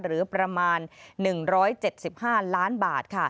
หรือประมาณ๑๗๕ล้านบาท